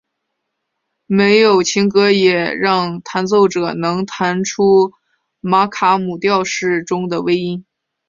没有琴格也让弹奏者能弹出玛卡姆调式中的微音。